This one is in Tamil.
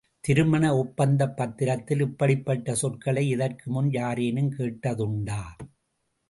திருமண ஒப்பந்தப் பத்திரத்தில் இப்படிப்பட்ட சொற்களை இதற்கு முன் யாரேனும் கேட்டதுன்டா?